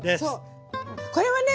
これはね